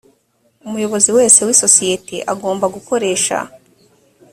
umuyobozi wese w isosiyete agomba gukoresha